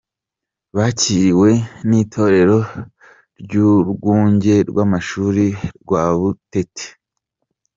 Bakiriwe n'itorero ry'urwunge rw'amashuri rwa Butete.